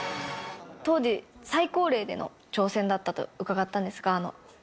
当時、最高齢での挑戦だったと伺ったんですが。